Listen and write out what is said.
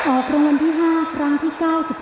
ออกรางวัลที่๕ครั้งที่๙๒